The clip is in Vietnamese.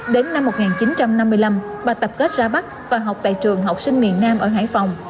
đến năm một nghìn chín trăm năm mươi năm bà tập kết ra bắc và học tại trường học sinh miền nam ở hải phòng